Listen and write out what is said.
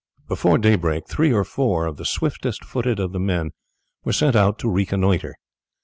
Before daybreak three or four of the swiftest footed of the men were sent out to reconnoitre.